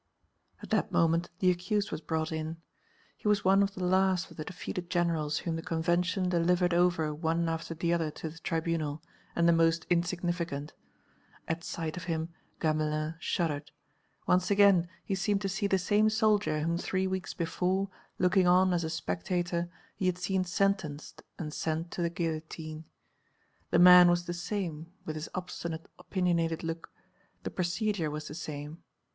"_ At that moment the accused was brought in. He was one of the last of the defeated Generals whom the Convention delivered over one after the other to the Tribunal, and the most insignificant. At sight of him Gamelin shuddered; once again he seemed to see the same soldier whom three weeks before, looking on as a spectator, he had seen sentenced and sent to the guillotine. The man was the same, with his obstinate, opinionated look; the procedure was the same.